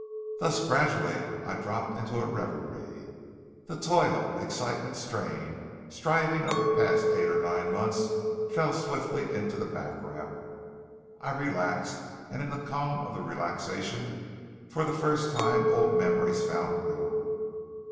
Thus gradually I dropped into a reverie. The toil, excitement, strain, striving of the past eight or nine months fell swiftly into the background. I relaxed; and in the calm of the relaxation for the first time old memories found room.